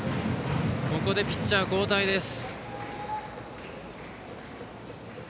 ここでピッチャー交代です。